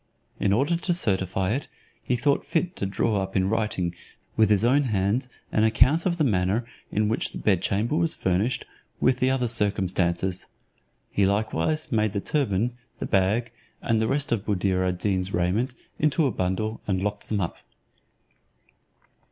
In order to certify it, he thought fit to draw up in writing with his own hand an account of the manner in which the wedding had been solemnized; how the hall and his daughter's bed chamber were furnished, with the other circumstances. He likewise made the turban, the bag, and the rest of Buddir ad Deen's raiment into a bundle, and locked them up.